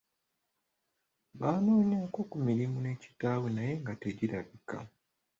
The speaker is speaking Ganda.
Baanoonyaako ku mirimu ne kitaawe naye nga tegirabika.